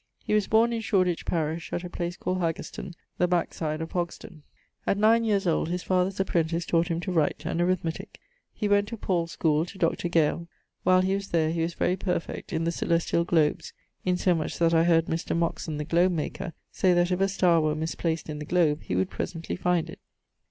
He was born in Shoreditch parish, at a place called Haggerston, the backside of Hogsdon. At 9 yeares old, his father's apprentice taught him to write, and arithmetique. He went to Paule's schoole to Dr. Gale: while he was there he was very perfect in the Caelestiall Globes insomuch that I heard Mr. Moxon (the globe maker) say that if a star were misplaced in the globe, he would presently find it.